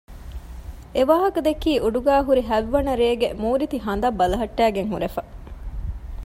އެވާހަކަ ދެއްކީ އުޑުގައި ހުރި ހަތްވަނަ ރޭގެ މޫރިތި ހަނދަށް ބަލަހައްޓައިގެން ހުރެފަ